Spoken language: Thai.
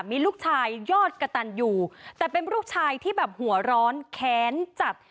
มีลูกชายยอดกระตันอยู่แต่เป็นลูกชายที่แบบหัวร้อนแค้นจัด